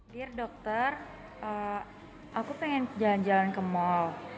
dear dokter aku pengen jalan jalan ke mall